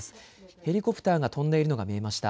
ヘリコプターが飛んでいるのが見えました。